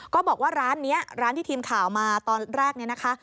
ก็บอกว่าร้านนี้ร้านที่ทีมข่าวมาตอนแรกเนี่ยนะคะ